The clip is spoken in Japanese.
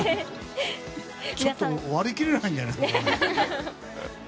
ちょっと割り切れないんじゃないの。